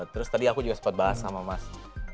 terus tadi aku juga sempat bahas sama mas